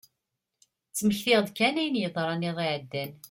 Ttmektiɣ-d kan ayen yeḍran iḍ iɛeddan.